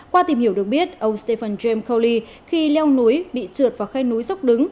qua tìm hiểu được biết ông stephen james coley khi leo núi bị trượt vào khay núi sốc đứng